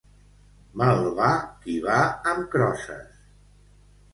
Mal va qui va amb crosses.